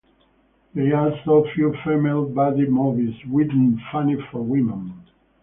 There are so few female buddy movies, written funny for women.